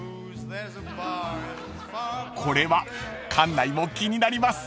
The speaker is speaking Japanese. ［これは館内も気になります］